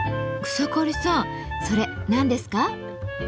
草刈さんそれ何ですか？